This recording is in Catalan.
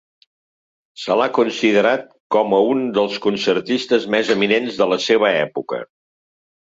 Se l'ha considerat com a un dels concertistes més eminents de la seva època.